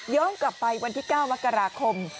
กลับไปวันที่๙มกราคม